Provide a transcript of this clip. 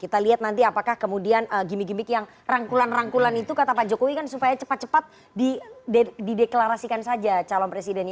kita lihat nanti apakah kemudian gimmick gimmick yang rangkulan rangkulan itu kata pak jokowi kan supaya cepat cepat dideklarasikan saja calon presidennya